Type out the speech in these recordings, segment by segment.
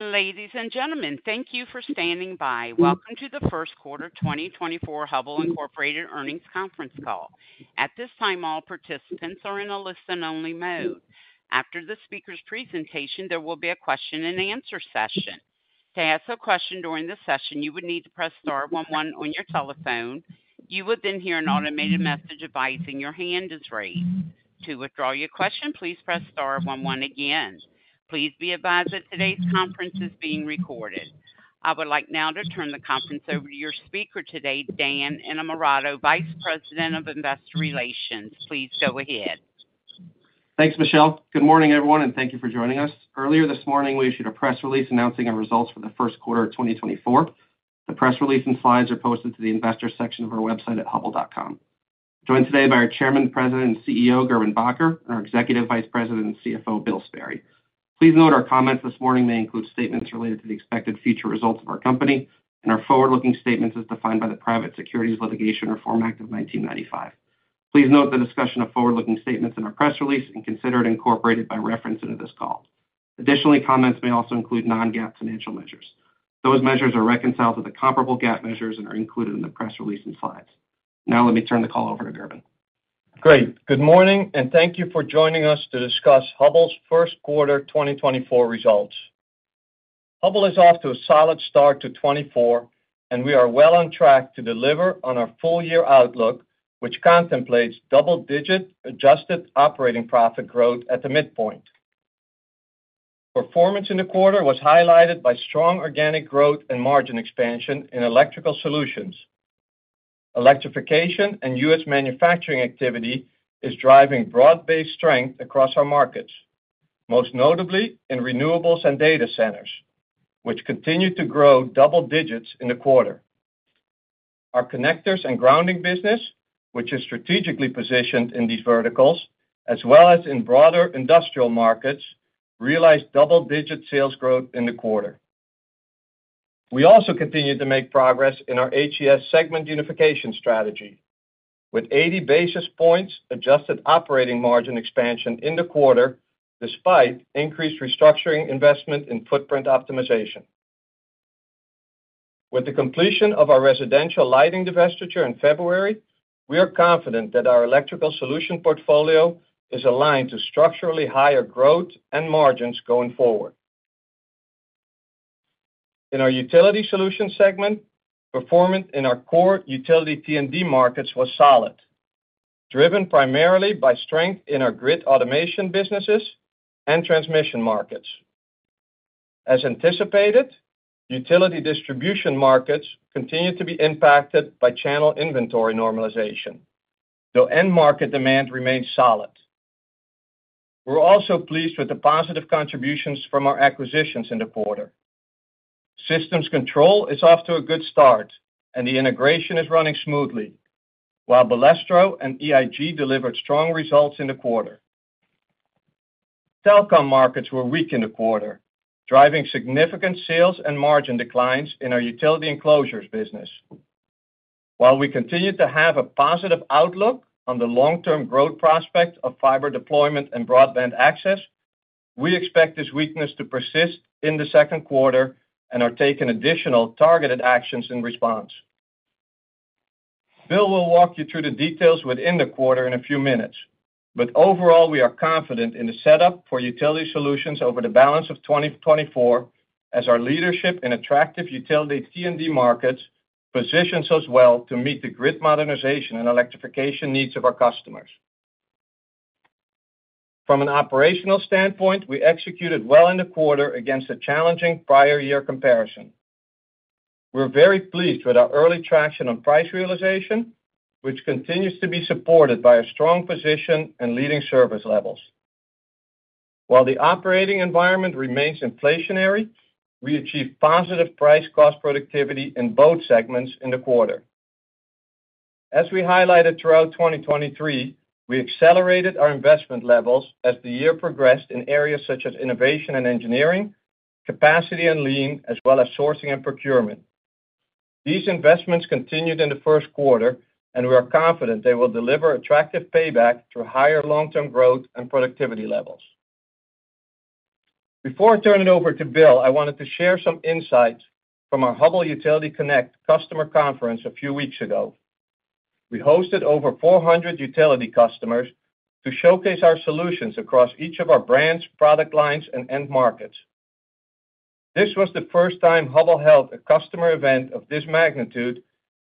Ladies and gentlemen, thank you for standing by. Welcome to the First Quarter 2024 Hubbell Incorporated Earnings Conference Call. At this time, all participants are in a listen-only mode. After the speaker's presentation, there will be a question-and-answer session. To ask a question during the session, you would need to press star one one on your telephone. You would then hear an automated message advising your hand is raised. To withdraw your question, please press star one one again. Please be advised that today's conference is being recorded. I would like now to turn the conference over to your speaker today, Dan Innamorato, Vice President of Investor Relations. Please go ahead. Thanks, Michelle. Good morning, everyone, and thank you for joining us. Earlier this morning, we issued a press release announcing our results for the first quarter of 2024. The press release and slides are posted to the investor section of our website at hubbell.com. Joined today by our Chairman, President, and CEO, Gerben Bakker, and our Executive Vice President and CFO, Bill Sperry. Please note our comments this morning may include statements related to the expected future results of our company and are forward-looking statements as defined by the Private Securities Litigation Reform Act of 1995. Please note the discussion of forward-looking statements in our press release and consider it incorporated by reference into this call. Additionally, comments may also include non-GAAP financial measures. Those measures are reconciled to the comparable GAAP measures and are included in the press release and slides. Now, let me turn the call over to Gerben. Great. Good morning, and thank you for joining us to discuss Hubbell's first quarter 2024 results. Hubbell is off to a solid start to 2024, and we are well on track to deliver on our full-year outlook, which contemplates double-digit adjusted operating profit growth at the midpoint. Performance in the quarter was highlighted by strong organic growth and margin expansion in Electrical Solutions. Electrification and U.S. manufacturing activity is driving broad-based strength across our markets, most notably in renewables and data centers, which continued to grow double digits in the quarter. Our connectors and grounding business, which is strategically positioned in these verticals, as well as in broader industrial markets, realized double-digit sales growth in the quarter. We also continued to make progress in our HES segment unification strategy, with 80 basis points adjusted operating margin expansion in the quarter, despite increased restructuring investment in footprint optimization. With the completion of our residential lighting divestiture in February, we are confident that our electrical solution portfolio is aligned to structurally higher growth and margins going forward. In our Utility Solutions segment, performance in our core utility T&D markets was solid, driven primarily by strength in our grid automation businesses and transmission markets. As anticipated, utility distribution markets continued to be impacted by channel inventory normalization, though end-market demand remains solid. We're also pleased with the positive contributions from our acquisitions in the quarter. Systems Control is off to a good start, and the integration is running smoothly, while Balestro and EIG delivered strong results in the quarter. Telecom markets were weak in the quarter, driving significant sales and margin declines in our utility enclosures business. While we continue to have a positive outlook on the long-term growth prospect of fiber deployment and broadband access, we expect this weakness to persist in the second quarter and are taking additional targeted actions in response. Bill will walk you through the details within the quarter in a few minutes, but overall, we are confident in the setup for Utility Solutions over the balance of 2024, as our leadership in attractive utility T&D markets positions us well to meet the grid modernization and electrification needs of our customers. From an operational standpoint, we executed well in the quarter against a challenging prior year comparison. We're very pleased with our early traction on price realization, which continues to be supported by a strong position and leading service levels. While the operating environment remains inflationary, we achieved positive price cost productivity in both segments in the quarter. As we highlighted throughout 2023, we accelerated our investment levels as the year progressed in areas such as innovation and engineering, capacity and lean, as well as sourcing and procurement. These investments continued in the first quarter, and we are confident they will deliver attractive payback through higher long-term growth and productivity levels. Before I turn it over to Bill, I wanted to share some insights from our Hubbell Utility Connect customer conference a few weeks ago. We hosted over 400 utility customers to showcase our solutions across each of our brands, product lines, and end markets. This was the first time Hubbell held a customer event of this magnitude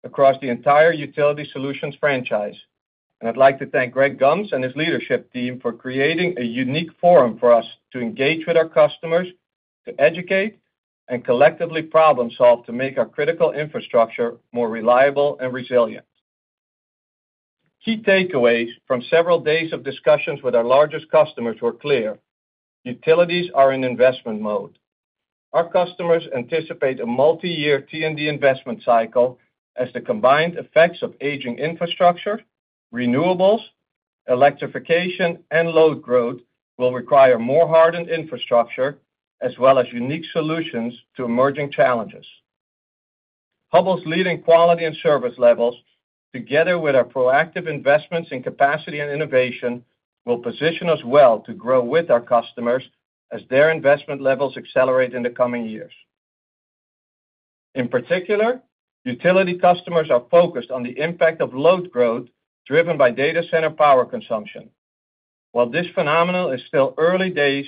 across the entire Utility Solutions franchise, and I'd like to thank Greg Gumbs and his leadership team for creating a unique forum for us to engage with our customers, to educate and collectively problem solve to make our critical infrastructure more reliable and resilient. Key takeaways from several days of discussions with our largest customers were clear: utilities are in investment mode. Our customers anticipate a multi-year T&D investment cycle as the combined effects of aging infrastructure, renewables, electrification, and load growth will require more hardened infrastructure, as well as unique solutions to emerging challenges.... Hubbell's leading quality and service levels, together with our proactive investments in capacity and innovation, will position us well to grow with our customers as their investment levels accelerate in the coming years. In particular, utility customers are focused on the impact of load growth driven by data center power consumption. While this phenomenon is still early days,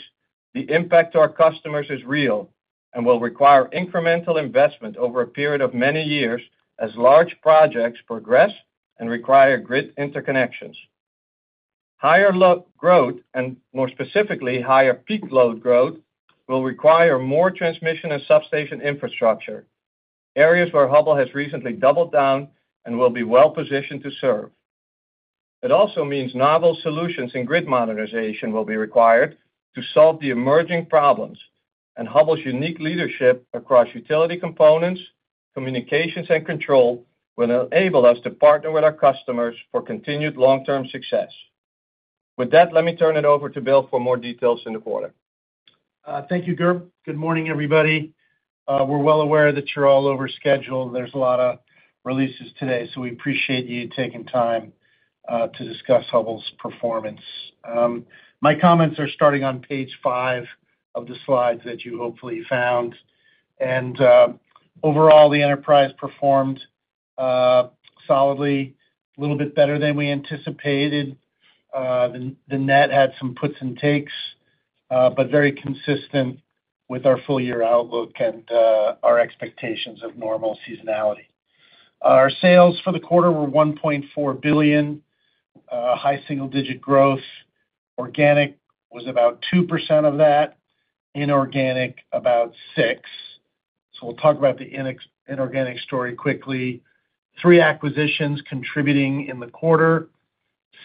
the impact to our customers is real and will require incremental investment over a period of many years as large projects progress and require grid interconnections. Higher load growth, and more specifically, higher peak load growth, will require more transmission and substation infrastructure, areas where Hubbell has recently doubled down and will be well positioned to serve. It also means novel solutions in grid modernization will be required to solve the emerging problems, and Hubbell's unique leadership across utility components, communications, and control will enable us to partner with our customers for continued long-term success. With that, let me turn it over to Bill for more details in the quarter. Thank you, Gerben. Good morning, everybody. We're well aware that you're all over scheduled. There's a lot of releases today, so we appreciate you taking time to discuss Hubbell's performance. My comments are starting on page five of the slides that you hopefully found. Overall, the enterprise performed solidly, a little bit better than we anticipated. The net had some puts and takes, but very consistent with our full year outlook and our expectations of normal seasonality. Our sales for the quarter were $1.4 billion, high single-digit growth. Organic was about 2% of that, inorganic, about 6%. So we'll talk about the inorganic story quickly. Three acquisitions contributing in the quarter: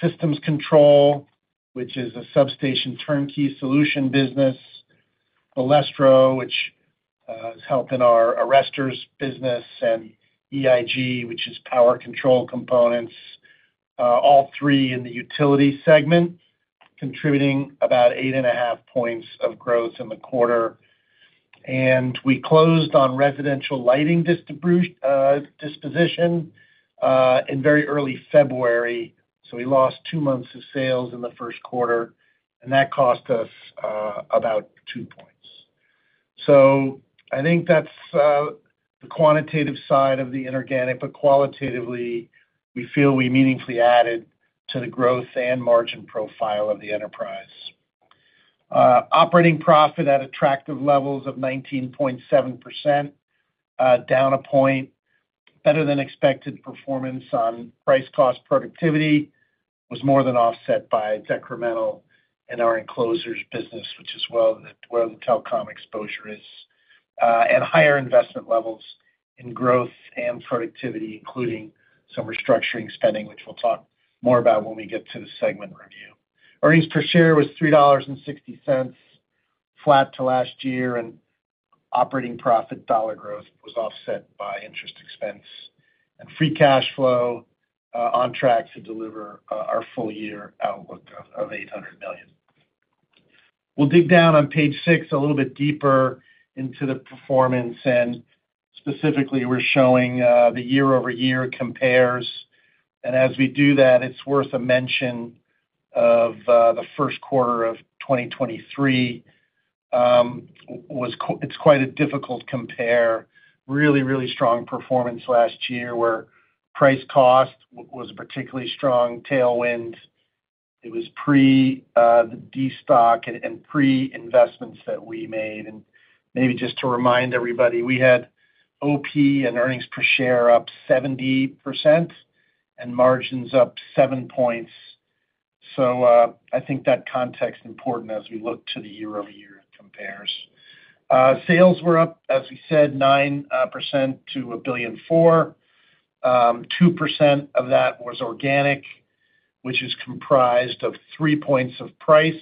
Systems Control, which is a substation turnkey solution business, Balestro, which is helping our arresters business, and EIG, which is power control components, all three in the utility segment, contributing about 8.5 points of growth in the quarter. And we closed on residential lighting disposition in very early February, so we lost two months of sales in the first quarter, and that cost us about two points. So I think that's the quantitative side of the inorganic, but qualitatively, we feel we meaningfully added to the growth and margin profile of the enterprise. Operating profit at attractive levels of 19.7%, down a point. Better than expected performance on price cost productivity was more than offset by incremental in our enclosures business, which is where the telecom exposure is, and higher investment levels in growth and productivity, including some restructuring spending, which we'll talk more about when we get to the segment review. Earnings per share was $3.60, flat to last year, and operating profit dollar growth was offset by interest expense. Free cash flow on track to deliver our full-year outlook of $800 million. We'll dig down on page 6 a little bit deeper into the performance, and specifically, we're showing the year-over-year compares. As we do that, it's worth a mention of the first quarter of 2023, it's quite a difficult compare. Really, really strong performance last year, where price cost was a particularly strong tailwind. It was pre the destock and pre-investments that we made. And maybe just to remind everybody, we had OP and earnings per share up 70% and margins up seven points. So, I think that context is important as we look to the year-over-year compares. Sales were up, as we said, 9% to $1.4 billion. Two percent of that was organic, which is comprised of three points of price,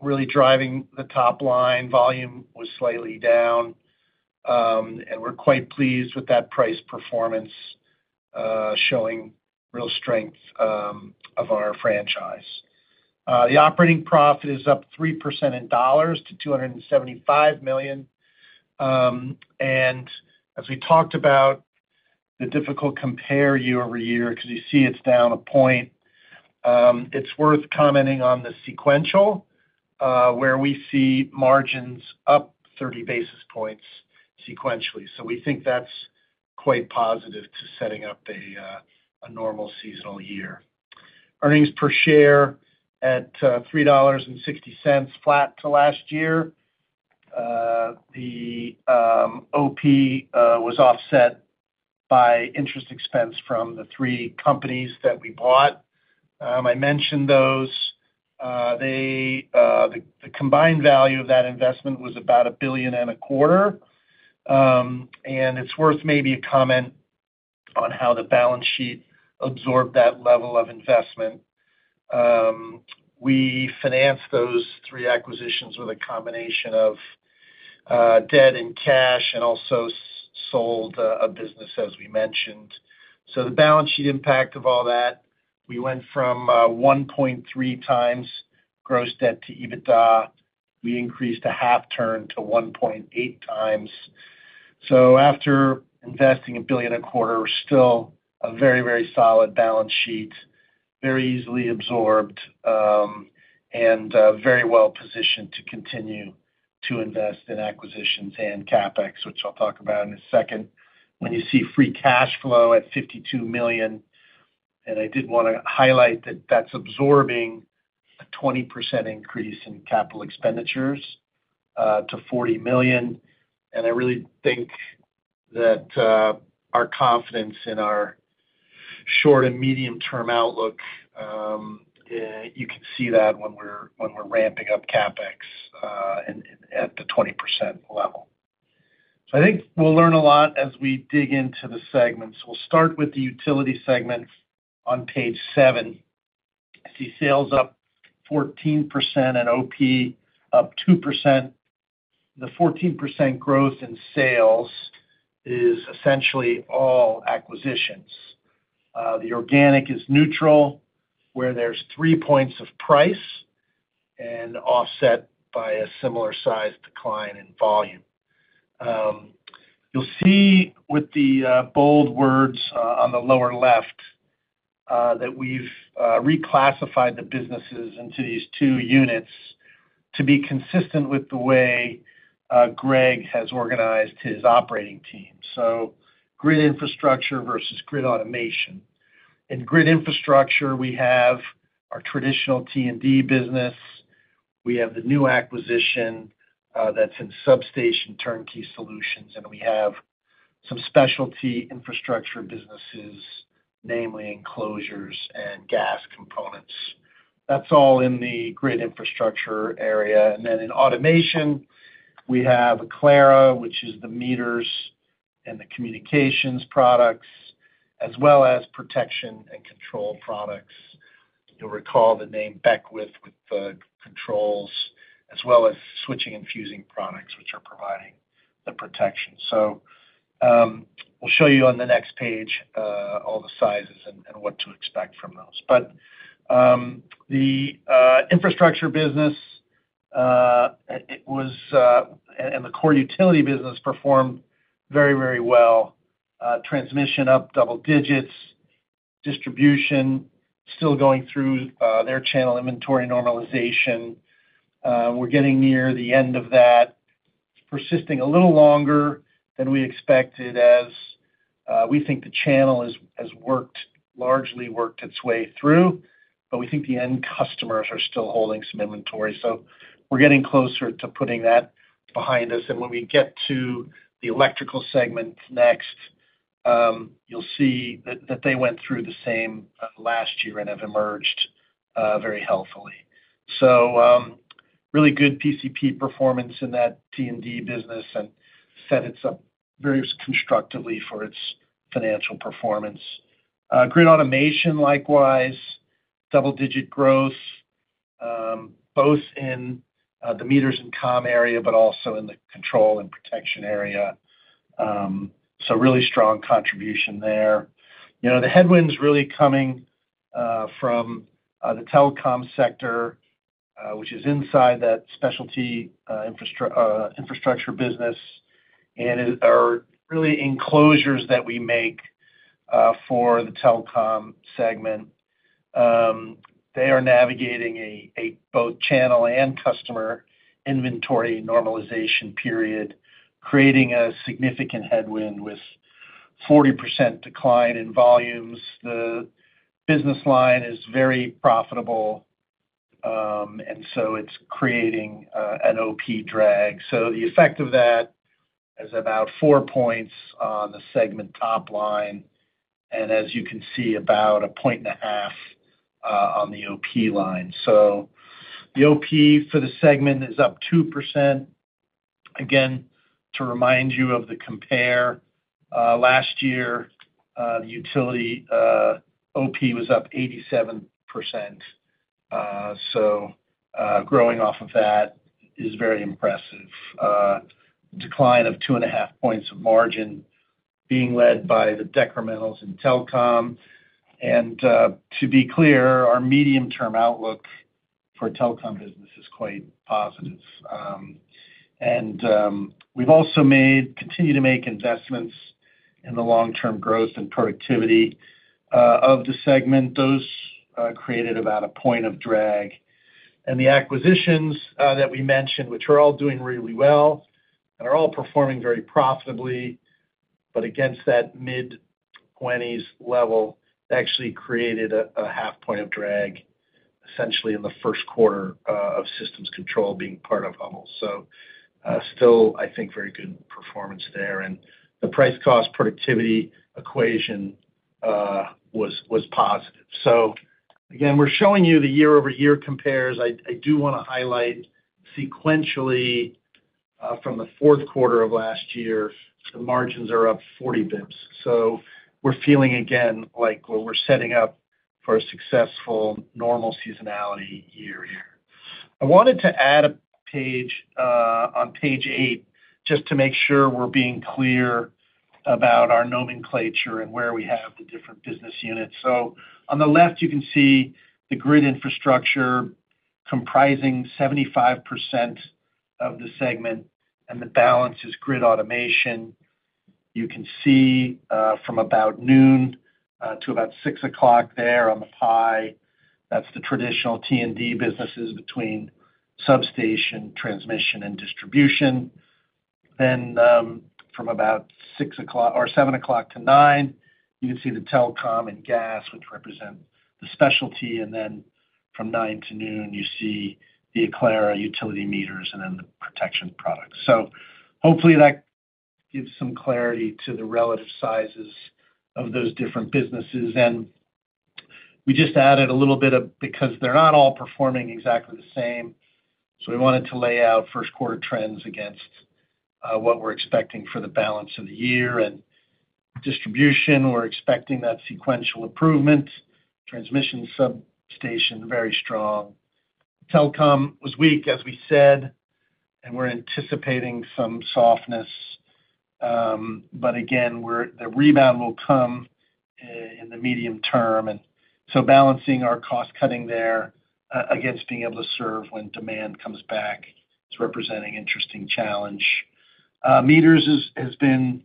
really driving the top line. Volume was slightly down, and we're quite pleased with that price performance, showing real strength of our franchise. The operating profit is up 3% in dollars to $275 million. And as we talked about, the difficult compare year over year, because you see it's down one point. It's worth commenting on the sequential, where we see margins up 30 basis points sequentially. So we think that's quite positive to setting up a normal seasonal year. Earnings per share at $3.60, flat to last year. The OP was offset by interest expense from the three companies that we bought. I mentioned those. They, the combined value of that investment was about $1.25 billion. And it's worth maybe a comment on how the balance sheet absorbed that level of investment. We financed those three acquisitions with a combination of debt and cash, and also sold a business, as we mentioned. So the balance sheet impact of all that, we went from 1.3x gross debt to EBITDA. We increased 0.5 turn to 1.8x. So after investing $1.25 billion, we're still a very, very solid balance sheet, very easily absorbed, and very well positioned to continue to invest in acquisitions and CapEx, which I'll talk about in a second. When you see free cash flow at $52 million, and I did wanna highlight that that's absorbing a 20% increase in capital expenditures to $40 million. And I really think that our confidence in our short and medium-term outlook, you can see that when we're ramping up CapEx at the 20% level. So I think we'll learn a lot as we dig into the segments. We'll start with the utility segment on page seven. You see sales up 14% and OP up 2%. The 14% growth in sales is essentially all acquisitions. The organic is neutral, where there's three points of price and offset by a similar-sized decline in volume. You'll see with the bold words on the lower left that we've reclassified the businesses into these two units to be consistent with the way Greg has organized his operating team, so grid infrastructure versus grid automation. In grid infrastructure, we have our traditional T&D business. We have the new acquisition that's in substation turnkey solutions, and we have some specialty infrastructure businesses, namely enclosures and gas components. That's all in the grid infrastructure area. And then in automation, we have Aclara, which is the meters and the communications products, as well as protection and control products. You'll recall the name Beckwith with controls, as well as switching and fusing products, which are providing the protection. So, we'll show you on the next page, all the sizes and what to expect from those. But, the infrastructure business and the core utility business performed very, very well. Transmission up double digits, distribution still going through their channel inventory normalization. We're getting near the end of that, persisting a little longer than we expected, as we think the channel has largely worked its way through, but we think the end customers are still holding some inventory. So we're getting closer to putting that behind us. And when we get to the electrical segment next, you'll see that they went through the same last year and have emerged very healthily. So really good PCP performance in that T&D business and set it up very constructively for its financial performance. Grid automation, likewise, double-digit growth both in the meters and comm area, but also in the control and protection area. So really strong contribution there. You know, the headwinds really coming from the telecom sector, which is inside that specialty infrastructure business, and it are really enclosures that we make for the telecom segment. They are navigating a both channel and customer inventory normalization period, creating a significant headwind, with 40% decline in volumes. The business line is very profitable, and so it's creating an OP drag. So the effect of that is about four points on the segment top line, and as you can see, about 1.5 points on the OP line. So the OP for the segment is up 2%. Again, to remind you of the compare, last year the utility OP was up 87%. Growing off of that is very impressive. Decline of 2.5 points of margin being led by the decrementals in telecom. To be clear, our medium-term outlook for telecom business is quite positive. We've also continued to make investments in the long-term growth and productivity of the segment. Those created about 1 point of drag. The acquisitions that we mentioned, which are all doing really well and are all performing very profitably, but against that mid-twenties level, actually created a half point of drag, essentially in the first quarter of Systems Control being part of Hubbell. So still, I think, very good performance there. The price cost productivity equation was positive. So again, we're showing you the year-over-year compares. I do wanna highlight sequentially from the fourth quarter of last year, the margins are up 40 basis points. So we're feeling again like we're setting up for a successful normal seasonality year here. I wanted to add a page on page eight, just to make sure we're being clear about our nomenclature and where we have the different business units. So on the left, you can see the grid infrastructure comprising 75% of the segment, and the balance is grid automation. You can see, from about noon, to about six o'clock there on the pie, that's the traditional T&D businesses between substation, transmission, and distribution. Then, from about six o'clock or seven o'clock to nine, you can see the telecom and gas, which represent the specialty. And then from nine to noon, you see the Aclara utility meters and then the protection products. So hopefully, that gives some clarity to the relative sizes of those different businesses. And we just added a little bit of, because they're not all performing exactly the same, so we wanted to lay out first quarter trends against, what we're expecting for the balance of the year. And distribution, we're expecting that sequential improvement. Transmission substation, very strong. Telecom was weak, as we said, and we're anticipating some softness. But again, the rebound will come in the medium term, and so balancing our cost-cutting there against being able to serve when demand comes back is representing interesting challenge. Meters has been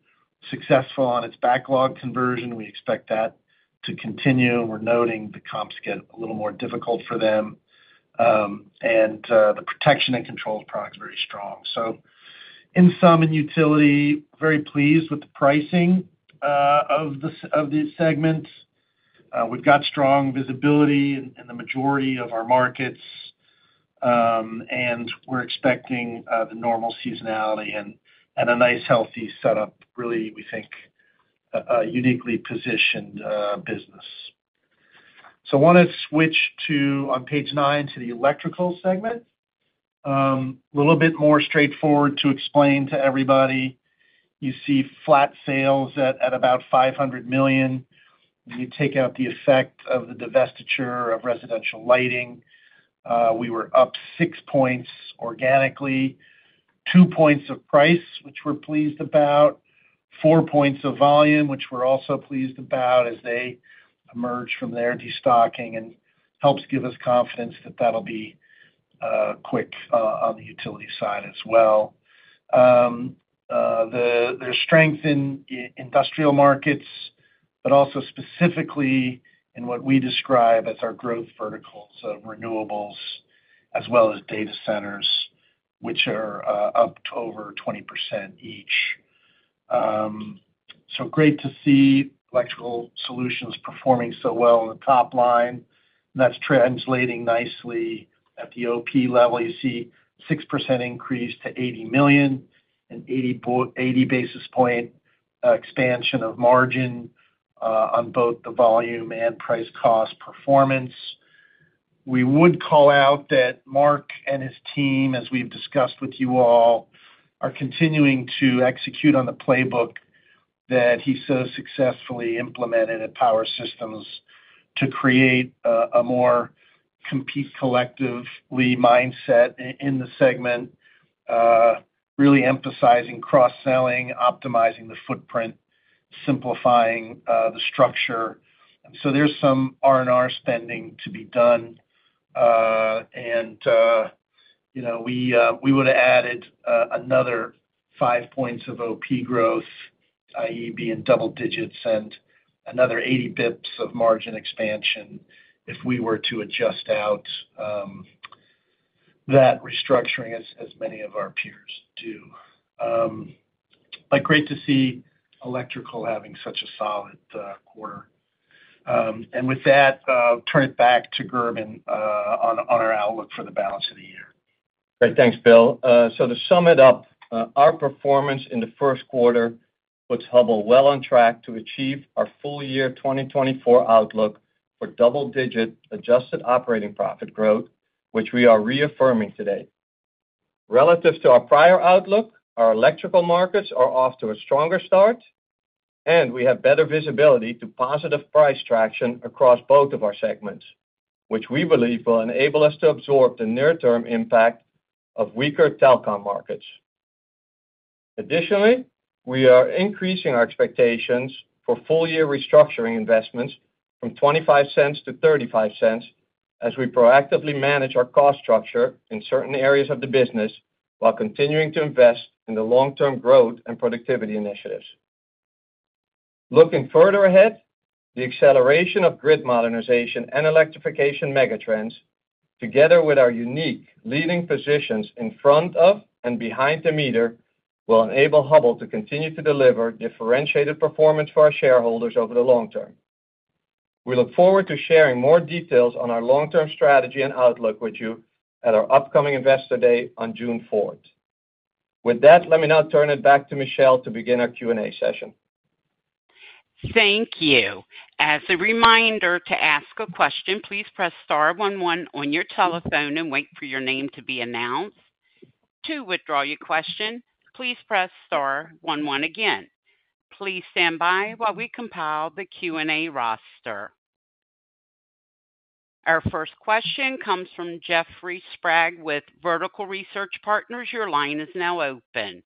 successful on its backlog conversion. We expect that to continue. We're noting the comps get a little more difficult for them, and the protection and control products very strong. So in sum, in utility, very pleased with the pricing of these segments. We've got strong visibility in the majority of our markets, and we're expecting the normal seasonality and a nice, healthy setup, really, we think, a uniquely positioned business. So I wanna switch to on page 9 to the electrical segment. A little bit more straightforward to explain to everybody. You see flat sales at about $500 million. When you take out the effect of the divestiture of residential lighting, we were up six points organically, two points of price, which we're pleased about, four points of volume, which we're also pleased about as they emerge from their destocking and helps give us confidence that that'll be quick on the utility side as well. There's strength in industrial markets, but also specifically in what we describe as our growth verticals, so renewables as well as data centers, which are up to over 20% each. So great to see Electrical Solutions performing so well on the top line, and that's translating nicely at the OP level. You see 6% increase to $80 million, an 80 basis point expansion of margin on both the volume and price-cost performance. We would call out that Mark and his team, as we've discussed with you all, are continuing to execute on the playbook that he so successfully implemented at Power Systems to create a more collectively mindset in the segment. Really emphasizing cross-selling, optimizing the footprint, simplifying the structure. So there's some R&R spending to be done. And you know, we would've added another five points of OP growth, i.e., be in double digits, and another 80 basis points of margin expansion if we were to adjust out that restructuring as many of our peers do. But great to see electrical having such a solid quarter. And with that, turn it back to Gerben on our outlook for the balance of the year. Great. Thanks, Bill. So to sum it up, our performance in the first quarter puts Hubbell well on track to achieve our full-year 2024 outlook for double-digit adjusted operating profit growth, which we are reaffirming today. Relative to our prior outlook, our electrical markets are off to a stronger start, and we have better visibility to positive price traction across both of our segments, which we believe will enable us to absorb the near-term impact of weaker telecom markets. Additionally, we are increasing our expectations for full-year restructuring investments from $0.25 to $0.35, as we proactively manage our cost structure in certain areas of the business, while continuing to invest in the long-term growth and productivity initiatives. Looking further ahead, the acceleration of grid modernization and electrification megatrends, together with our unique leading positions in front of and behind the meter, will enable Hubbell to continue to deliver differentiated performance for our shareholders over the long term. We look forward to sharing more details on our long-term strategy and outlook with you at our upcoming Investor Day on June fourth. With that, let me now turn it back to Michelle to begin our Q&A session. Thank you. As a reminder, to ask a question, please press star one one on your telephone and wait for your name to be announced.... To withdraw your question, please press star one one again. Please stand by while we compile the Q&A roster. Our first question comes from Jeffrey Sprague with Vertical Research Partners. Your line is now open.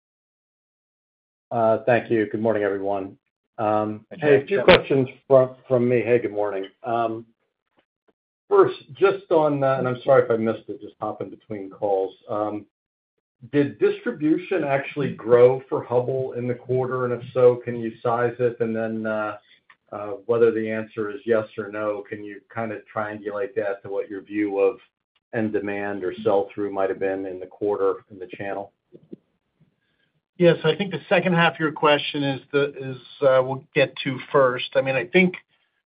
Thank you. Good morning, everyone. Hey, a few questions from me. Hey, good morning. First, just on, and I'm sorry if I missed it, just hopping between calls. Did distribution actually grow for Hubbell in the quarter? And if so, can you size it? And then, whether the answer is yes or no, can you kind of triangulate that to what your view of end demand or sell-through might have been in the quarter in the channel? Yes, I think the second half of your question is the we'll get to first. I mean, I think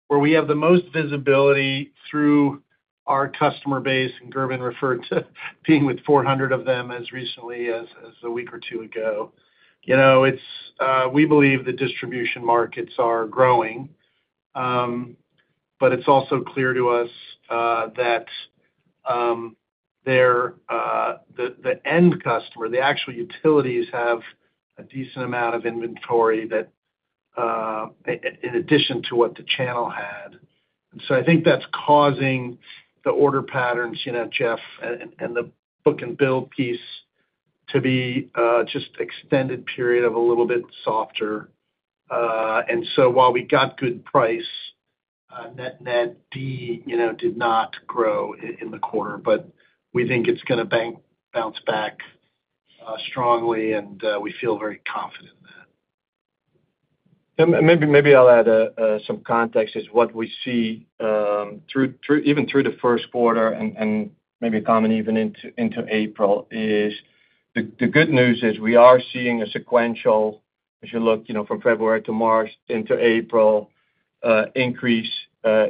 where we have the most visibility through our customer base, and Gerben referred to being with 400 of them as recently as a week or two ago. You know, it's we believe the distribution markets are growing. But it's also clear to us that their the end customer, the actual utilities, have a decent amount of inventory that in addition to what the channel had. So I think that's causing the order patterns, you know, Jeff, and the book and build piece to be just extended period of a little bit softer. And so while we got good price, net net D, you know, did not grow in the quarter, but we think it's gonna bounce back strongly, and we feel very confident in that. And maybe, maybe I'll add, some context is what we see, through, even through the first quarter and, maybe coming even into April, is the good news is we are seeing a sequential, if you look, you know, from February to March into April, increase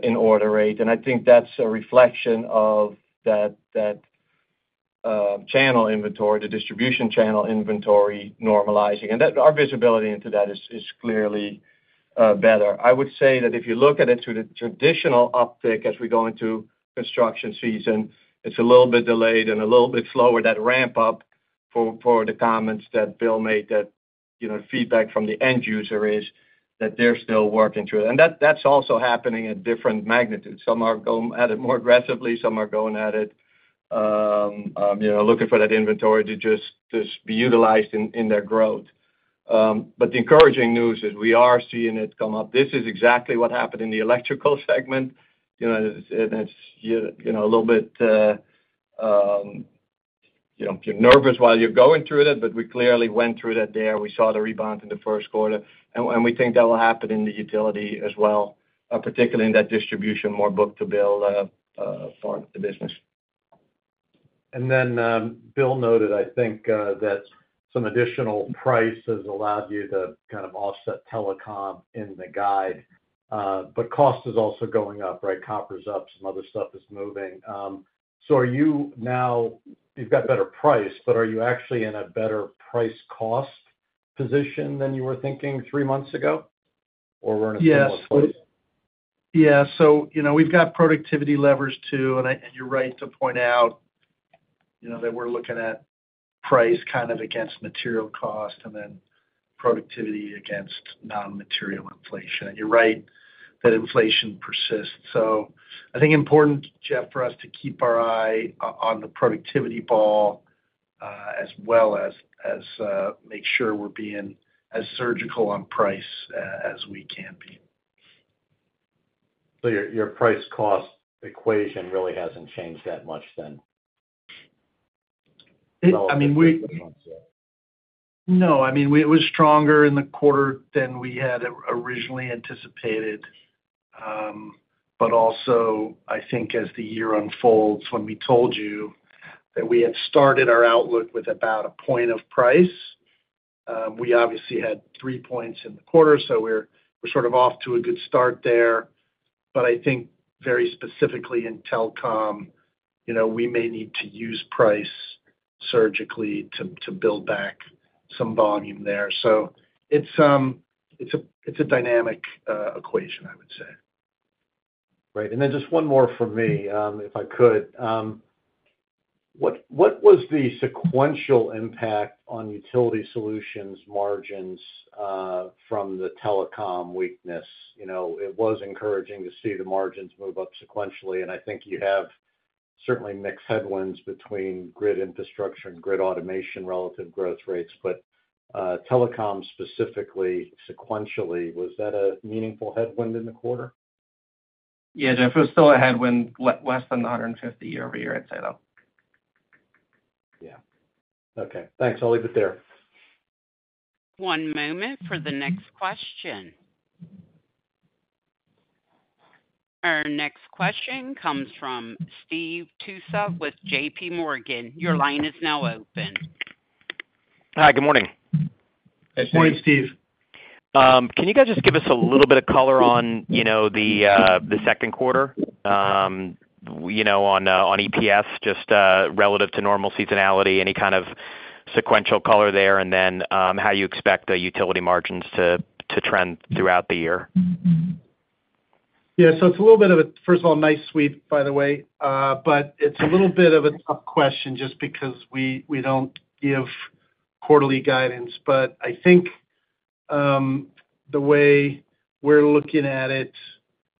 in order rate. And I think that's a reflection of that channel inventory, the distribution channel inventory normalizing. And that, our visibility into that is clearly better. I would say that if you look at it through the traditional uptick as we go into construction season, it's a little bit delayed and a little bit slower, that ramp up for the comments that Bill made, that, you know, feedback from the end user is, that they're still working through it. And that, that's also happening at different magnitudes. Some are going at it more aggressively, some are going at it, you know, looking for that inventory to just be utilized in their growth. But the encouraging news is we are seeing it come up. This is exactly what happened in the electrical segment. You know, and it's, you know, a little bit, you know, nervous while you're going through it, but we clearly went through that there. We saw the rebound in the first quarter, and we think that will happen in the utility as well, particularly in that distribution, more book to build, for the business. Then, Bill noted, I think, that some additional price has allowed you to kind of offset telecom in the guide, but cost is also going up, right? Copper's up, some other stuff is moving. Are you now... You've got better price, but are you actually in a better price cost position than you were thinking three months ago, or we're in a similar place? Yes. Yeah, so you know, we've got productivity levers, too, and you're right to point out, you know, that we're looking at price kind of against material cost and then productivity against non-material inflation. And you're right that inflation persists. So I think important, Jeff, for us to keep our eye on the productivity ball, as well as make sure we're being as surgical on price as we can be. So, your price cost equation really hasn't changed that much then? It was stronger in the quarter than we had originally anticipated. But also, I think as the year unfolds, when we told you that we had started our outlook with about a point of price, we obviously had three points in the quarter, so we're, we're sort of off to a good start there. But I think very specifically in telecom, you know, we may need to use price surgically to build back some volume there. So it's a dynamic equation, I would say. Right. And then just one more from me, if I could. What, what was the sequential impact on Utility Solutions margins, from the telecom weakness? You know, it was encouraging to see the margins move up sequentially, and I think you have certainly mixed headwinds between grid infrastructure and grid automation, relative growth rates. But, telecom specifically, sequentially, was that a meaningful headwind in the quarter? Yeah, Jeff, it was still a headwind, less than 150 year-over-year, I'd say, though. Yeah. Okay, thanks. I'll leave it there. One moment for the next question. Our next question comes from Steve Tusa with JP Morgan. Your line is now open. Hi, good morning. Good morning, Steve. Can you guys just give us a little bit of color on, you know, the second quarter, you know, on EPS, just relative to normal seasonality? Any kind of sequential color there, and then, how you expect the utility margins to trend throughout the year?... Yeah, so it's a little bit of a, first of all, nice suite, by the way. But it's a little bit of a tough question just because we, we don't give quarterly guidance. But I think, the way we're looking at it,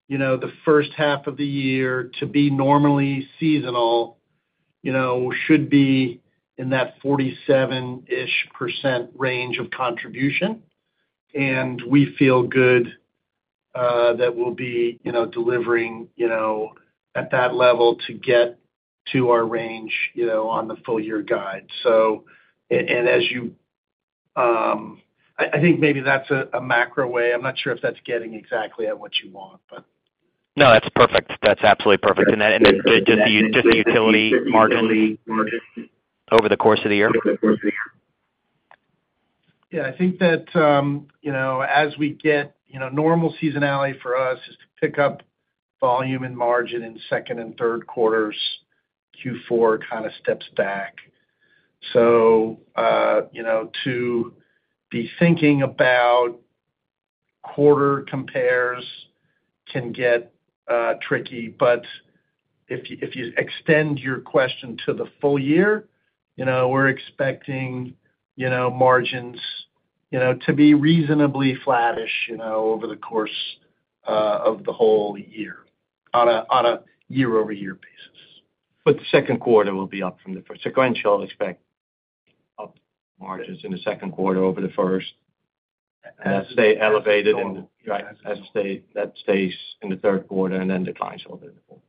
you know, the first half of the year to be normally seasonal, you know, should be in that 47%-ish range of contribution. And we feel good, that we'll be, you know, delivering, you know, at that level to get to our range, you know, on the full year guide. So a- and as you... I, I think maybe that's a, a macro way. I'm not sure if that's getting exactly at what you want, but. No, that's perfect. That's absolutely perfect. And then, and just the, just the utility margin over the course of the year? Yeah, I think that, you know, as we get, you know, normal seasonality for us is to pick up volume and margin in second and third quarters, Q4 kind of steps back. So, you know, to be thinking about quarter compares can get tricky. But if you, if you extend your question to the full year, you know, we're expecting, you know, margins, you know, to be reasonably flattish, you know, over the course of the whole year on a, on a year-over-year basis. But the second quarter will be up from the first sequential. Expect up margins in the second quarter over the first, and stay elevated, right, that stays in the third quarter and then declines a little bit.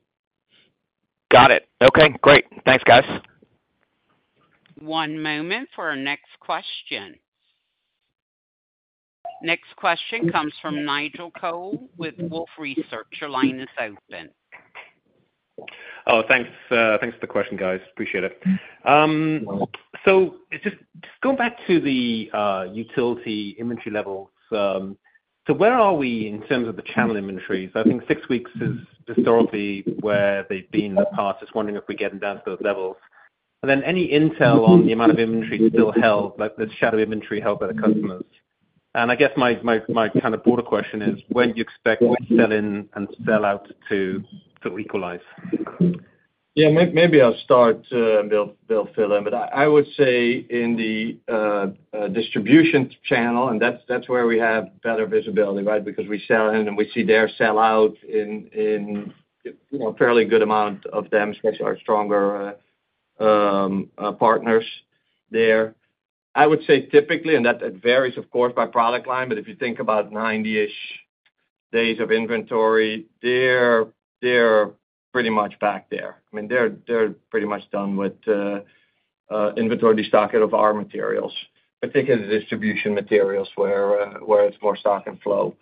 Got it. Okay, great! Thanks, guys. One moment for our next question. Next question comes from Nigel Coe with Wolfe Research. Your line is open. Oh, thanks, thanks for the question, guys. Appreciate it. So just, just going back to the, utility inventory levels, so where are we in terms of the channel inventories? I think six weeks is historically where they've been in the past. Just wondering if we're getting down to those levels. And then, any intel on the amount of inventory still held, like, the shadow inventory held by the customers? And I guess my, my, my kind of broader question is: When do you expect sell-in and sell out to, to equalize? Yeah, maybe I'll start, and Bill fill in. But I would say in the distribution channel, and that's where we have better visibility, right? Because we sell in and we see their sell out in, you know, a fairly good amount of them, especially our stronger partners there. I would say typically, and that varies, of course, by product line, but if you think about 90-ish days of inventory, they're pretty much back there. I mean, they're pretty much done with inventory stock out of our materials, particularly the distribution materials, where it's more stock and flow.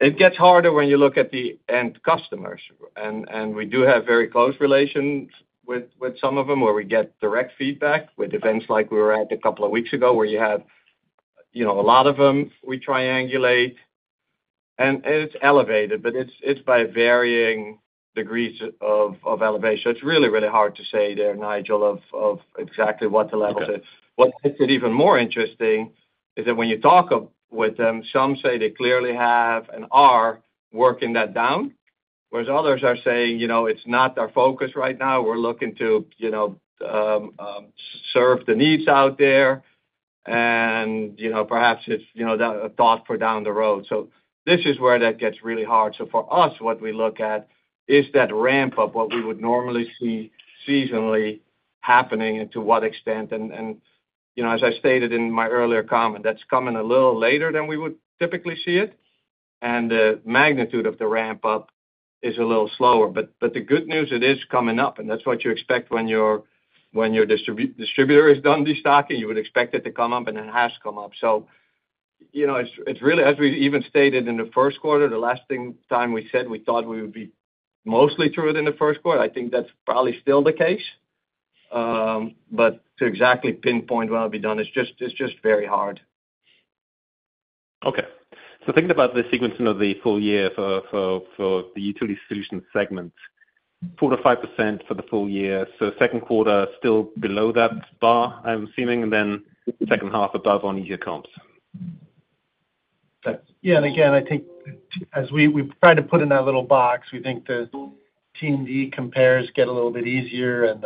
It gets harder when you look at the end customers, and we do have very close relations with some of them, where we get direct feedback with events like we were at a couple of weeks ago, where you had, you know, a lot of them. We triangulate, and it's elevated, but it's by varying degrees of elevation. So it's really hard to say there, Nigel, of exactly what the level is. Okay. What makes it even more interesting is that when you talk with them, some say they clearly have and are working that down, whereas others are saying: "You know, it's not our focus right now. We're looking to, you know, serve the needs out there, and, you know, perhaps it's, you know, a thought for down the road." So this is where that gets really hard. So for us, what we look at is that ramp-up, what we would normally see seasonally happening and to what extent. And, you know, as I stated in my earlier comment, that's coming a little later than we would typically see it, and the magnitude of the ramp-up is a little slower. But the good news, it is coming up, and that's what you expect when your distributor has done destocking. You would expect it to come up, and it has come up. So you know, it's really. As we even stated in the first quarter, the last time we said we thought we would be mostly through it in the first quarter, I think that's probably still the case. But to exactly pinpoint when it'll be done, it's just very hard. Okay. So thinking about the sequencing of the full year for the Utility Solutions segment, 4%-5% for the full year. So second quarter, still below that bar, I'm assuming, and then second half above on easier comps. Yeah, and again, I think as we've tried to put in that little box, we think the T&D compares get a little bit easier and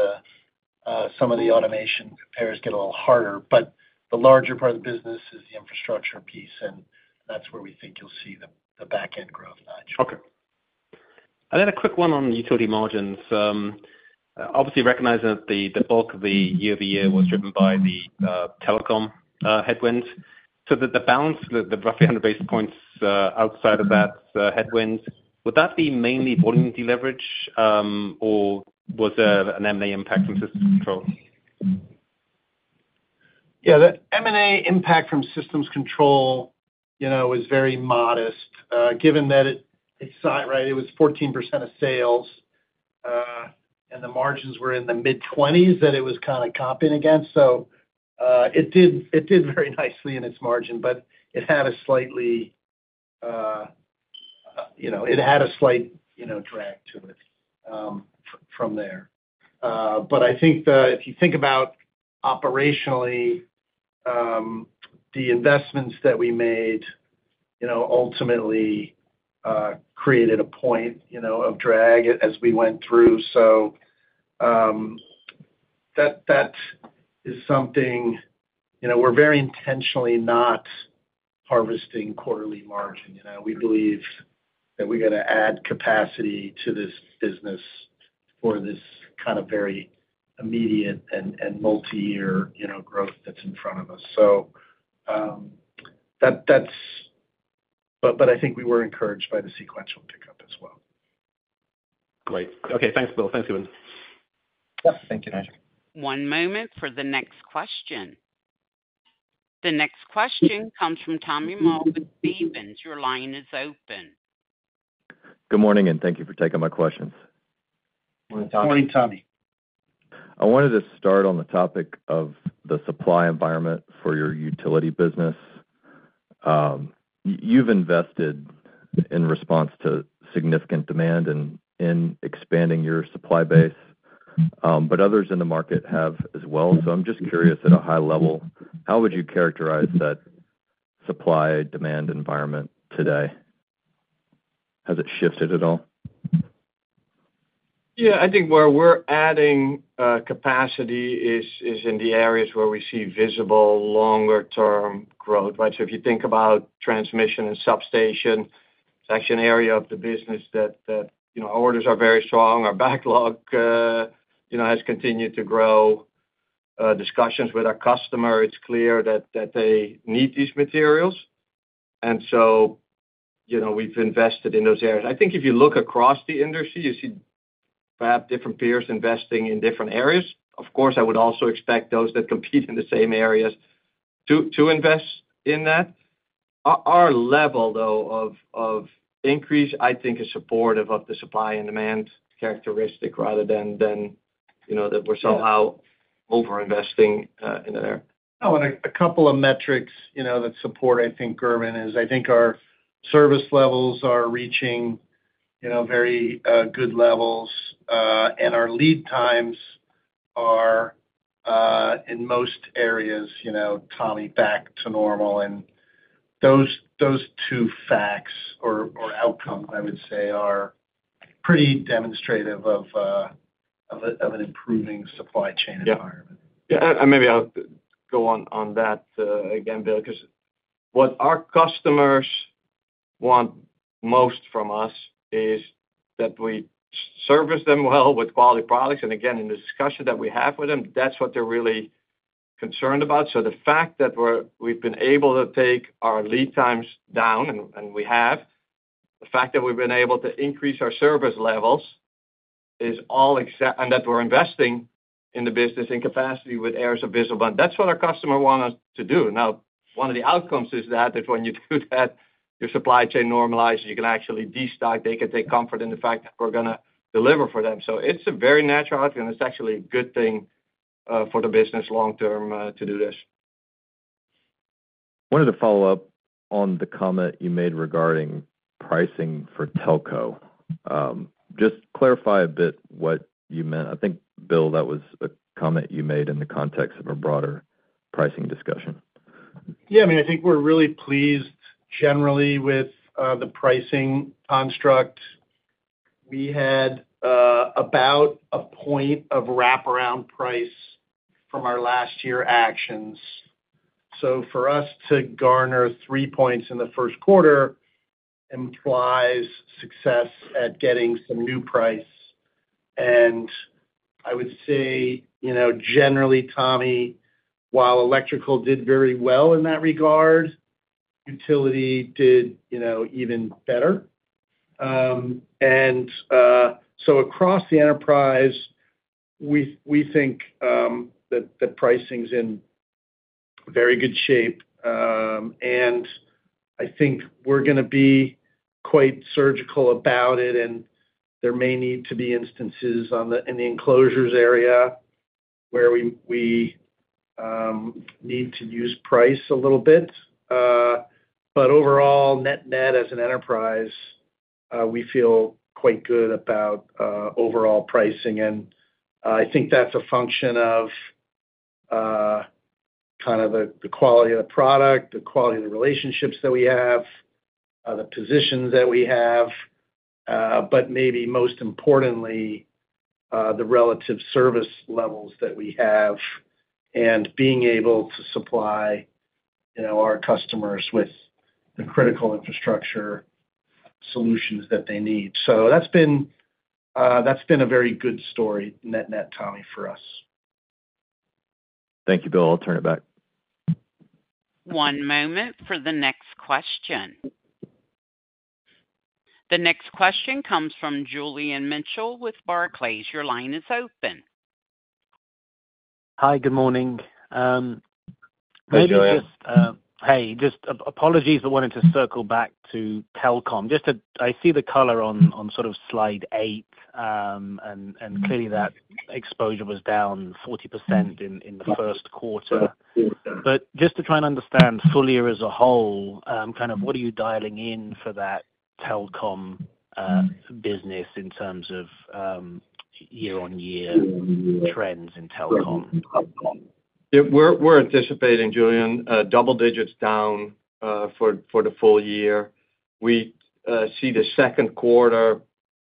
some of the automation compares get a little harder. But the larger part of the business is the infrastructure piece, and that's where we think you'll see the back end growth, Nigel. Okay. Then a quick one on the utility margins. Obviously recognizing that the bulk of the year-over-year was driven by the telecom headwinds. So the balance, the roughly 100 basis points outside of that headwinds, would that be mainly volume deleverage, or was there an M&A impact from Systems Control? Yeah, the M&A impact from Systems Control, you know, was very modest, given that its size, right? It was 14% of sales, and the margins were in the mid-20s that it was kind of comping against. So, it did very nicely in its margin, but it had a slight, you know, drag to it from there. But I think if you think about operationally, the investments that we made, you know, ultimately created a point, you know, of drag as we went through. So, that is something, you know, we're very intentionally not harvesting quarterly margin. You know, we believe that we're gonna add capacity to this business for this kind of very immediate and multi-year, you know, growth that's in front of us. So, that's but I think we were encouraged by the sequential pickup as well. Great. Okay, thanks, Bill. Thanks, Gerben. Yep. Thank you, Nigel. One moment for the next question. The next question comes from Tommy Moll with Stephens. Your line is open. Good morning, and thank you for taking my questions. Good morning, Tommy. Morning, Tommy. I wanted to start on the topic of the supply environment for your utility business. You've invested in response to significant demand in expanding your supply base, but others in the market have as well. So I'm just curious, at a high level, how would you characterize that supply-demand environment today? Has it shifted at all? Yeah, I think where we're adding capacity is in the areas where we see visible longer-term growth, right? So if you think about transmission and substation, it's actually an area of the business that you know, orders are very strong. Our backlog you know, has continued to grow. Discussions with our customer, it's clear that they need these materials, and so you know, we've invested in those areas. I think if you look across the industry, you see perhaps different peers investing in different areas. Of course, I would also expect those that compete in the same areas to invest in that. Our level, though, of increase, I think, is supportive of the supply and demand characteristic rather than you know, that we're somehow overinvesting in there. Oh, and a couple of metrics, you know, that support, I think, Erwin, is I think our service levels are reaching, you know, very good levels, and our lead times are in most areas, you know, Tommy, back to normal. And those two facts or outcomes, I would say, are pretty demonstrative of an improving supply chain environment. Yeah. Yeah, and, and maybe I'll go on, on that, again, Bill, 'cause what our customers want most from us is that we service them well with quality products. And again, in the discussion that we have with them, that's what they're really concerned about. So the fact that we've been able to take our lead times down, and, and we have, the fact that we've been able to increase our service levels is all excellent and that we're investing in the business and capacity with areas of visible demand, that's what our customer want us to do. Now, one of the outcomes is that when you do that, your supply chain normalizes, you can actually destock. They can take comfort in the fact that we're gonna deliver for them. It's a very natural outcome, and it's actually a good thing for the business long term to do this. Wanted to follow up on the comment you made regarding pricing for telco. Just clarify a bit what you meant. I think, Bill, that was a comment you made in the context of a broader pricing discussion. Yeah, I mean, I think we're really pleased generally with the pricing construct. We had about a point of wraparound price from our last year actions. So for us to garner three points in the first quarter implies success at getting some new price. And I would say, you know, generally, Tommy, while electrical did very well in that regard, utility did, you know, even better. And so across the enterprise, we think that the pricing's in very good shape. And I think we're gonna be quite surgical about it, and there may need to be instances on the—in the enclosures area where we need to use price a little bit. But overall, net-net, as an enterprise, we feel quite good about overall pricing. I think that's a function of, kind of the quality of the product, the quality of the relationships that we have, the positions that we have, but maybe most importantly, the relative service levels that we have, and being able to supply, you know, our customers with the critical infrastructure solutions that they need. So that's been a very good story, net-net, Tommy, for us. Thank you, Bill. I'll turn it back. One moment for the next question. The next question comes from Julian Mitchell with Barclays. Your line is open. Hi, good morning. Hey, Julian. Maybe just... Hey, just apologies, I wanted to circle back to telecom. Just to—I see the color on sort of slide eight, and clearly, that exposure was down 40% in the first quarter. But just to try and understand full year as a whole, kind of what are you dialing in for that? Telecom business in terms of year-on-year trends in telecom? Yeah, we're anticipating, Julian, double digits down for the full year. We see the second quarter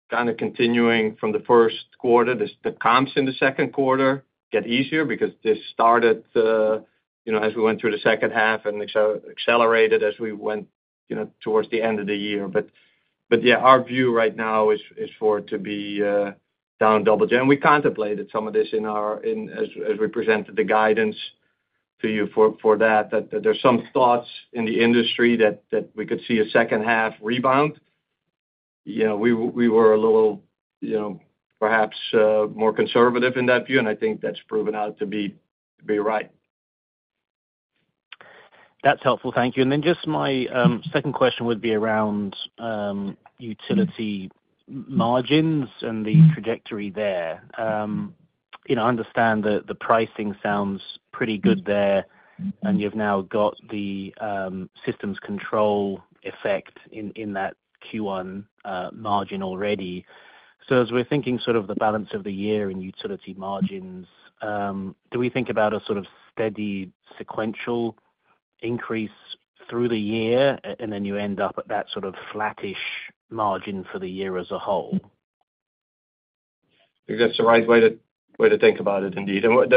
kind of continuing from the first quarter. The comps in the second quarter get easier because this started, you know, as we went through the second half and accelerated as we went, you know, towards the end of the year. But yeah, our view right now is for it to be down double. And we contemplated some of this in our, as we presented the guidance to you for that there's some thoughts in the industry that we could see a second half rebound. You know, we were a little, you know, perhaps more conservative in that view, and I think that's proven out to be right. That's helpful. Thank you. And then just my second question would be around utility margins and the trajectory there. You know, I understand that the pricing sounds pretty good there, and you've now got the Systems Control effect in that Q1 margin already. So as we're thinking sort of the balance of the year in utility margins, do we think about a sort of steady sequential increase through the year, and then you end up at that sort of flattish margin for the year as a whole? I think that's the right way to think about it indeed. And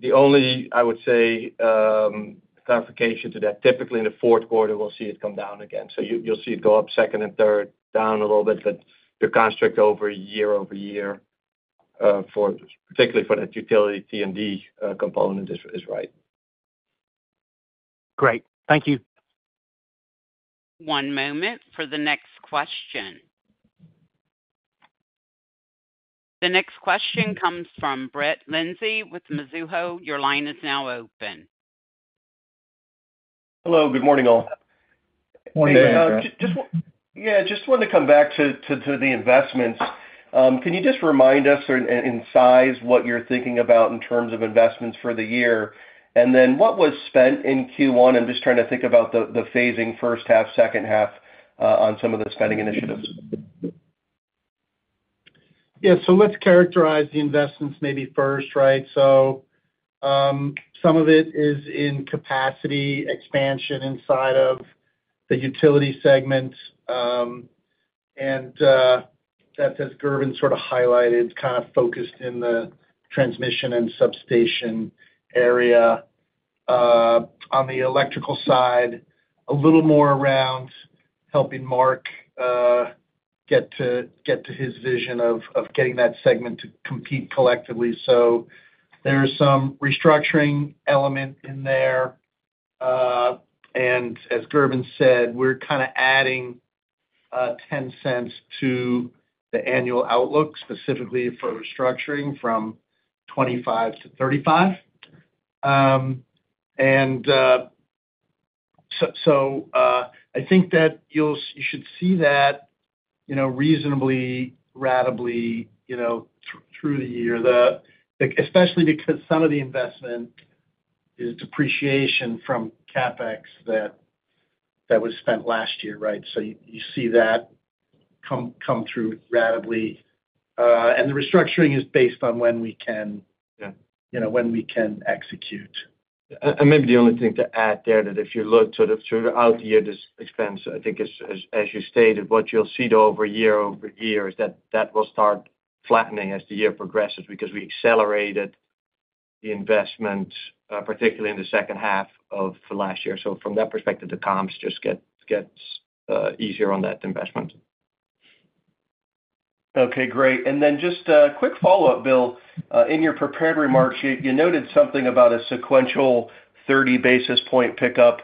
the only, I would say, clarification to that, typically in the fourth quarter, we'll see it come down again. So you'll see it go up second and third, down a little bit, but the construct year over year, particularly for that utility T&D component, is right. Great. Thank you. One moment for the next question. The next question comes from Brett Linzey with Mizuho. Your line is now open. Hello, good morning, all. Morning, Brett. Just wanted to come back to the investments. Can you just remind us or in size what you're thinking about in terms of investments for the year? And then, what was spent in Q1? I'm just trying to think about the phasing first half, second half on some of the spending initiatives. Yeah, so let's characterize the investments maybe first, right? So, some of it is in capacity expansion inside of the utility segment. And that, as Gerben sort of highlighted, kind of focused in the transmission and substation area. On the electrical side, a little more around helping Mark get to his vision of getting that segment to compete collectively. So there's some restructuring element in there, and as Gerben said, we're kind of adding $0.10 to the annual outlook, specifically for restructuring from $0.25-$0.35. And so, I think that you should see that, you know, reasonably ratably, you know, through the year. Especially because some of the investment is depreciation from CapEx that was spent last year, right? So you see that come through ratably. The restructuring is based on when we can- Yeah... you know, when we can execute. Maybe the only thing to add there, that if you look sort of throughout the year, this expense, I think as you stated, what you'll see year-over-year is that that will start flattening as the year progresses, because we accelerated the investment, particularly in the second half of last year. So from that perspective, the comps just get easier on that investment. Okay, great. And then just a quick follow-up, Bill. In your prepared remarks, you noted something about a sequential 30 basis point pickup.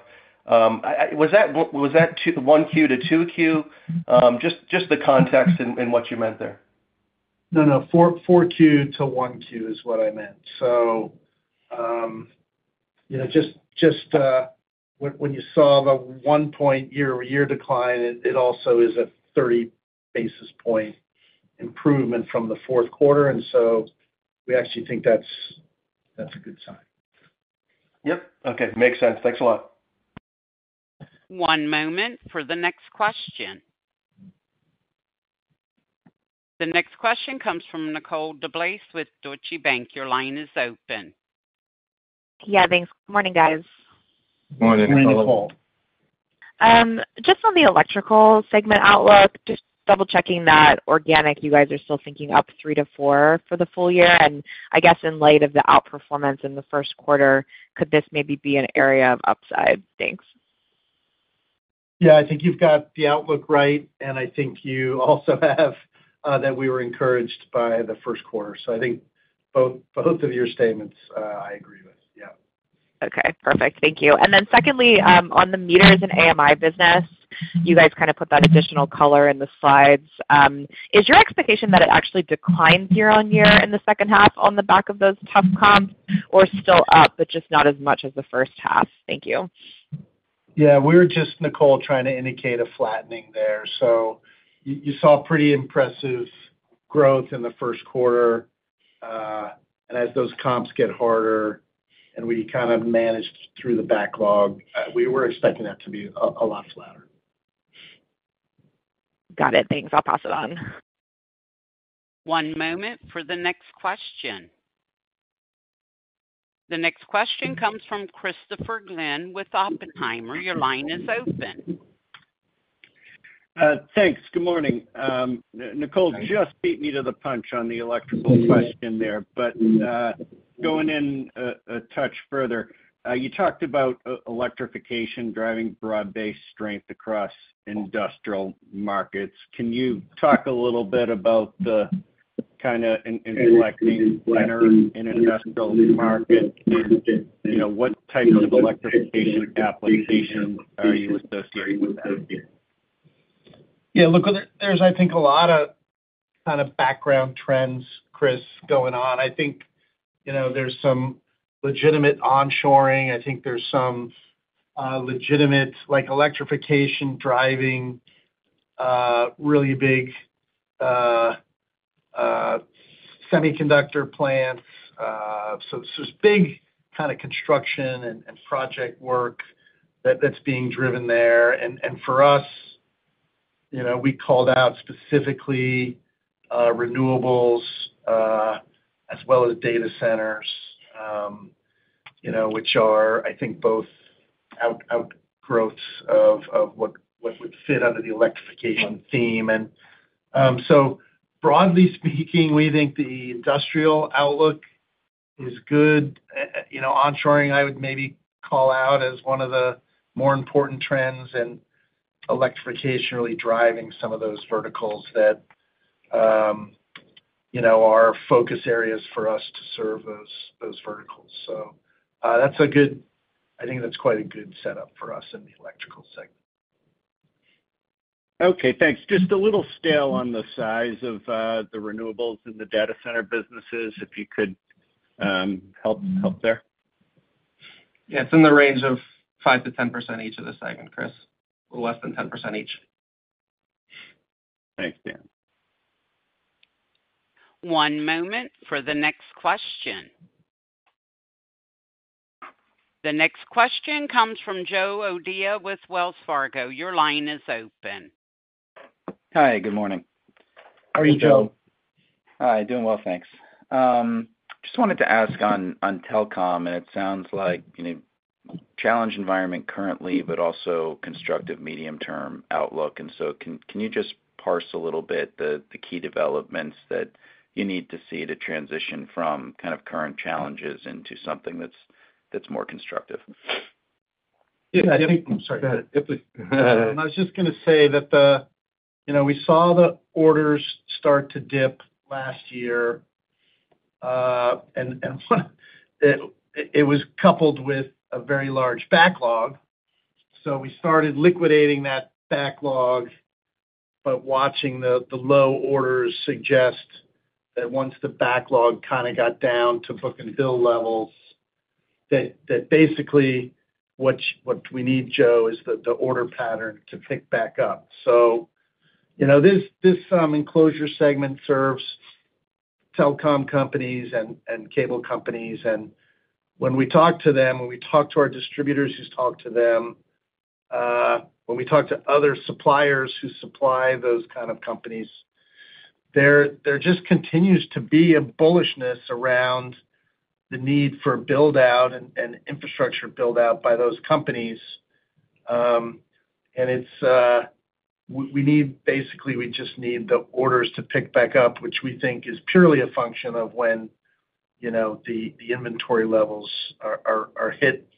Was that 1Q to 2Q? Just the context and what you meant there. No, no, 4Q to 1Q is what I meant. So, you know, just when you saw the 1% year-over-year decline, it also is a 30 basis point improvement from the fourth quarter, and so we actually think that's a good sign. Yep. Okay. Makes sense. Thanks a lot. One moment for the next question. The next question comes from Nicole DeBlase with Deutsche Bank. Your line is open. Yeah, thanks. Morning, guys. Morning, Nicole. Morning, Nicole. Just on the electrical segment outlook, just double checking that organic, you guys are still thinking up 3%-4% for the full year. And I guess in light of the outperformance in the first quarter, could this maybe be an area of upside? Thanks. Yeah, I think you've got the outlook right, and I think you also have that we were encouraged by the first quarter. So I think both, both of your statements, I agree with. Yeah. Okay, perfect. Thank you. And then secondly, on the meters and AMI business, you guys kind of put that additional color in the slides. Is your expectation that it actually declines year-on-year in the second half on the back of those tough comps, or still up, but just not as much as the first half? Thank you. Yeah, we're just, Nicole, trying to indicate a flattening there. So you saw pretty impressive growth in the first quarter.... And as those comps get harder and we kind of managed through the backlog, we were expecting that to be a lot flatter. Got it. Thanks. I'll pass it on. One moment for the next question. The next question comes from Christopher Glynn with Oppenheimer. Your line is open. Thanks. Good morning. Nicole just beat me to the punch on the electrical question there, but, going in a touch further, you talked about electrification driving broad-based strength across industrial markets. Can you talk a little bit about the kind of end markets collecting better in industrial markets? And, you know, what type of electrification applications are you associating with that? Yeah, look, well, there's, I think, a lot of kind of background trends, Chris, going on. I think, you know, there's some legitimate onshoring. I think there's some legitimate, like, electrification driving really big semiconductor plants. So big kind of construction and project work that's being driven there. And for us, you know, we called out specifically renewables as well as data centers, you know, which are, I think, both outgrowths of what would fit under the electrification theme. And so broadly speaking, we think the industrial outlook is good. You know, onshoring, I would maybe call out as one of the more important trends, and electrification really driving some of those verticals that, you know, are focus areas for us to serve those verticals. So, I think that's quite a good setup for us in the electrical segment. Okay, thanks. Just a little scale on the size of the renewables in the data center businesses, if you could help there. Yeah, it's in the range of 5%-10% each of the segment, Chris. Less than 10% each. Thanks, Dan. One moment for the next question. The next question comes from Joe O'Dea with Wells Fargo. Your line is open. Hi, good morning. How are you, Joe? Hi, doing well, thanks. Just wanted to ask on telecom, and it sounds like, you know, challenge environment currently, but also constructive medium-term outlook. And so can you just parse a little bit the key developments that you need to see to transition from kind of current challenges into something that's more constructive? Yeah, I think- I'm sorry, go ahead. I was just gonna say that the... You know, we saw the orders start to dip last year, and it was coupled with a very large backlog. So we started liquidating that backlog, but watching the low orders suggest that once the backlog kind of got down to book and bill levels, that basically what we need, Joe, is the order pattern to pick back up. So, you know, this enclosure segment serves telecom companies and cable companies. And when we talk to them, when we talk to our distributors who's talked to them, when we talk to other suppliers who supply those kind of companies, there just continues to be a bullishness around the need for build-out and infrastructure build-out by those companies. And it's, we need basically, we just need the orders to pick back up, which we think is purely a function of when, you know, the inventory levels are hit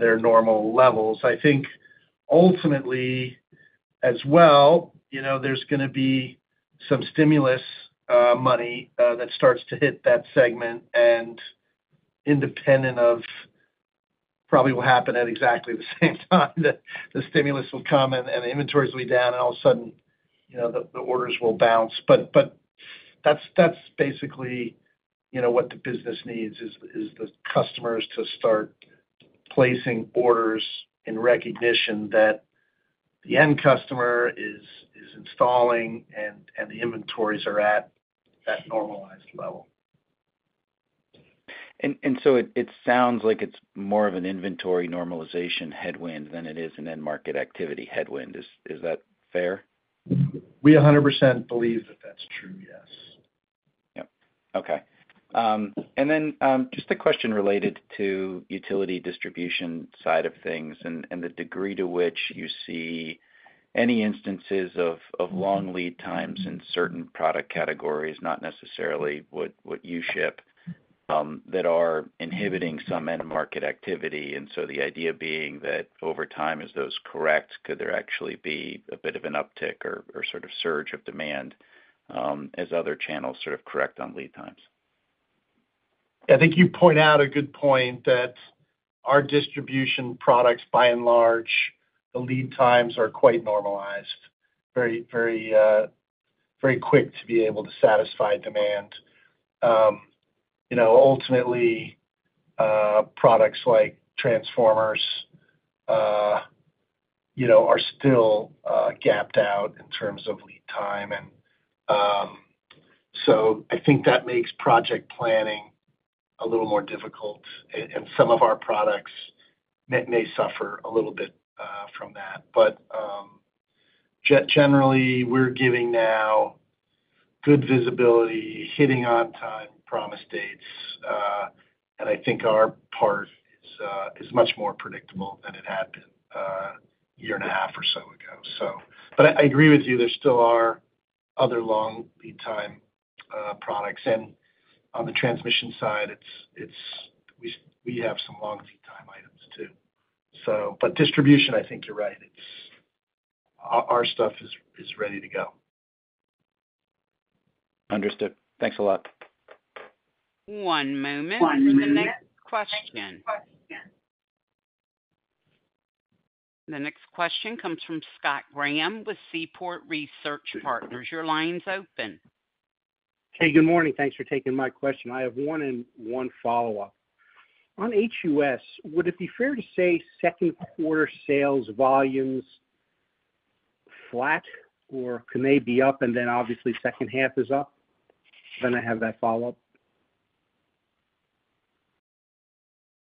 their normal levels. I think ultimately, as well, you know, there's gonna be some stimulus money that starts to hit that segment, and independent of probably will happen at exactly the same time that the stimulus will come and the inventories will be down, and all of a sudden, you know, the orders will bounce. But that's basically, you know, what the business needs, is the customers to start placing orders in recognition that the end customer is installing and the inventories are at that normalized level. It sounds like it's more of an inventory normalization headwind than it is an end-market activity headwind. Is that fair? We 100% believe that that's true, yes. Yep. Okay. And then, just a question related to utility distribution side of things and the degree to which you see any instances of long lead times in certain product categories, not necessarily what you ship, that are inhibiting some end market activity. And so the idea being that over time, as those correct, could there actually be a bit of an uptick or sort of surge of demand, as other channels sort of correct on lead times? I think you point out a good point, that our distribution products, by and large, the lead times are quite normalized. Very, very, very quick to be able to satisfy demand. You know, ultimately, products like transformers, you know, are still gapped out in terms of lead time. And, so I think that makes project planning a little more difficult, and some of our products may suffer a little bit from that. But, generally, we're giving now good visibility, hitting on time promise dates, and I think our part is much more predictable than it had been a year and a half or so ago, so. But I agree with you, there still are other long lead time products, and on the transmission side, it's, we have some long lead time items, too. So, but distribution, I think you're right. It's, our stuff is ready to go. Understood. Thanks a lot. One moment. One moment for the next question. The next question comes from Scott Graham with Seaport Research Partners. Your line's open. Hey, good morning. Thanks for taking my question. I have one and one follow-up. On HUS, would it be fair to say second quarter sales volumes flat, or could they be up, and then obviously second half is up? Then I have that follow-up.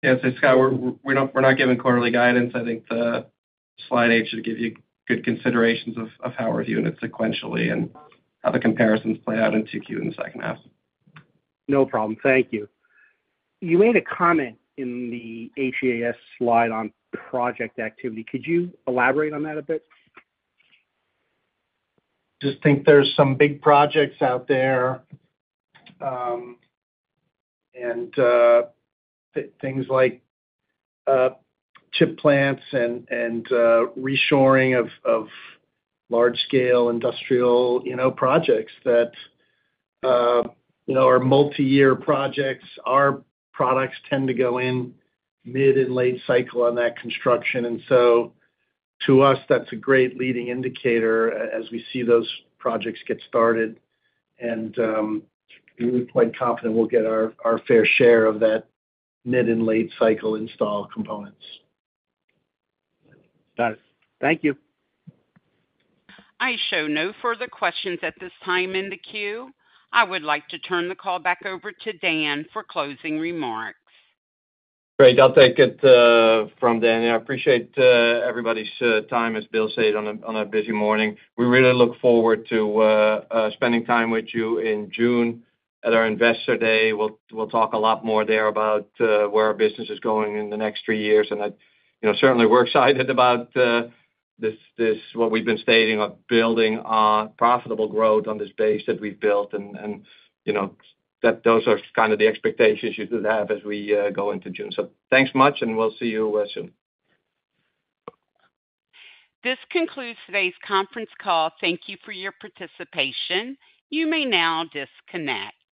Yeah, so Scott, we're not giving quarterly guidance. I think the slide eight should give you good considerations of how our units sequentially and how the comparisons play out in 2Q in the second half. No problem. Thank you. You made a comment in the HES slide on project activity. Could you elaborate on that a bit? Just think there's some big projects out there, and things like chip plants and reshoring of large-scale industrial, you know, projects that you know are multiyear projects. Our products tend to go in mid and late cycle on that construction, and so to us, that's a great leading indicator as we see those projects get started, and we're quite confident we'll get our fair share of that mid and late cycle install components. Got it. Thank you. I show no further questions at this time in the queue. I would like to turn the call back over to Dan for closing remarks. Great. I'll take it from Dan. I appreciate everybody's time, as Bill said, on a busy morning. We really look forward to spending time with you in June at our Investor Day. We'll talk a lot more there about where our business is going in the next three years, and I, you know, certainly we're excited about what we've been stating, of building on profitable growth on this base that we've built and, you know, that those are kind of the expectations you should have as we go into June. So thanks much, and we'll see you soon. This concludes today's conference call. Thank you for your participation. You may now disconnect.